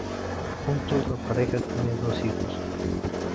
Juntos la pareja tiene dos hijos.